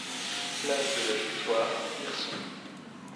Place de la Victoire, Hirson